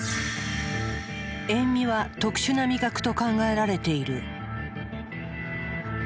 塩味は特殊な味覚と考えられている。